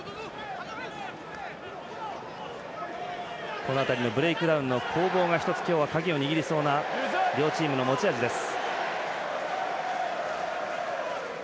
この辺りのブレイクダウンの攻防が一つ、今日は鍵を握りそうな両チームの持ち味です。